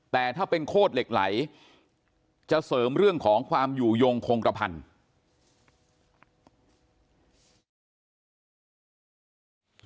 แต่ถ้าเป็นโคตรเหล็กไหลจะเสริมเรื่องของความอยู่ยงคงกระพันธุ์